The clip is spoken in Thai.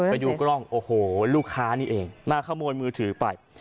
ไปดูกล้องโอ้โหลูกค้านี่เองมาขโมยมือถือไป